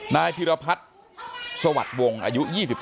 นายพิรพัฒน์สวัสดิ์วงศ์อายุ๒๓